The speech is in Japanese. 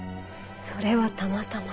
それはたまたま。